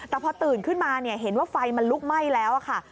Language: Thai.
แต่พอตื่นขึ้นมาเห็นว่าไฟมันลุกไหม้แล้วค่ะ